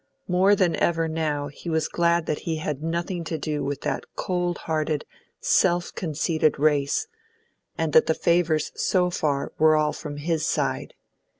More than ever now he was glad that he had nothing to do with that cold hearted, self conceited race, and that the favours so far were all from his side.